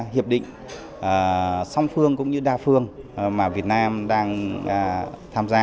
hiệp định song phương cũng như đa phương mà việt nam đang tham gia